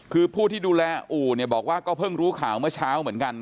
คือผู้ที่ดูแลอู่เนี่ยบอกว่าก็เพิ่งรู้ข่าวเมื่อเช้าเหมือนกัน